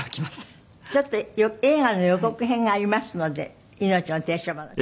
ちょっと映画の予告編がありますので『いのちの停車場』の。